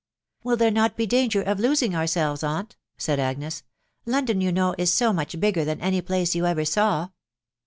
" Will there not be danger of losing ourselves, aunt ?" said Agnes. " London, you know, is so much bigger than any place you ever saw."